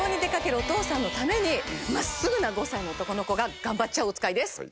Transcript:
お父さんのために真っすぐな５歳の男の子が頑張っちゃうおつかいです。